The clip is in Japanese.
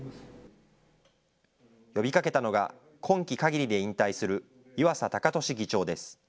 呼びかけたのが今期限りで引退する岩佐孝和議長です。